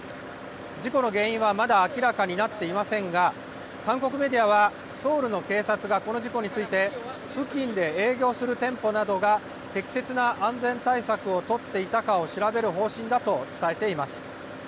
事故の原因はまだ明らかになっていませんが、韓国メディアはソウルの警察がこの事故について、付近で営業する店舗などが適切な安全対策を取っていたかを調べる方針だと伝えています。